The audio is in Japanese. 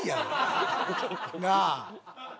なあ。